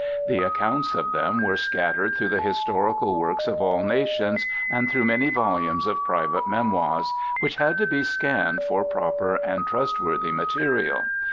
The accounts of them were scattered through the historical works of all nations, and through many volumes of private memoirs, which had to be scanned for proper and trustworthy material.